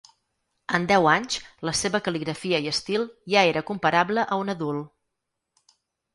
En déu anys, la seva cal·ligrafia i estil ja era comparable a un adult.